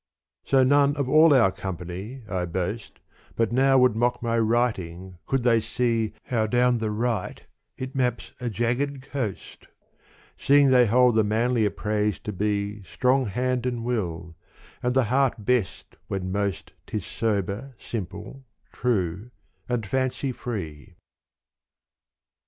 So none of all our company, I boast, But now would mock my writing could they see How down the right it maps a jagged coast : Seeing they hold the manlier praise to be Strong hand and will and the heart best when most 'T is sober, simple, true and fancy free.